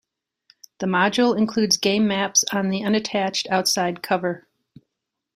The module includes game maps on the unattached outside cover.